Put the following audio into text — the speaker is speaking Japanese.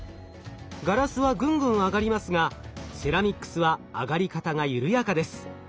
ガラスはぐんぐん上がりますがセラミックスは上がり方が緩やかです。